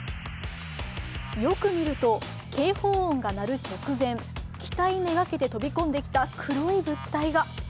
よく見ると、警報音が鳴る直前、機体めがけて飛び込んできた黒い物体が。